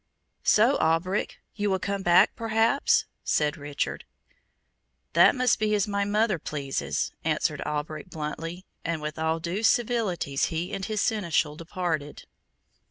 "So, Alberic, you will come back, perhaps?" said Richard. "That must be as my mother pleases," answered Alberic bluntly, and with all due civilities he and his Seneschal departed.